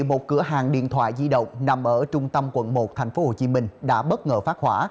một cửa hàng điện thoại di động nằm ở trung tâm quận một tp hcm đã bất ngờ phát hỏa